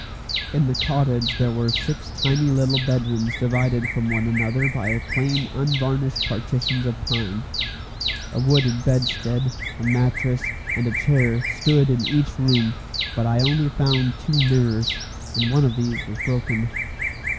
In the cottage there were six tiny little bedrooms divided from one another by plain unvarnished partitions of pine. A wooden bedstead, a mattress, and a chair, stood in each room, but I only found two mirrors, and one of these was broken.